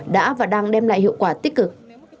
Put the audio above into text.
đã và đang đem lại hiệu quả tích cực